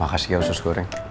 makasih ya sus goreng